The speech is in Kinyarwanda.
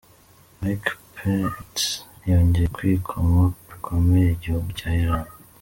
Mike Pince yongeye kwikoma bikomeye igihugu cya Iran.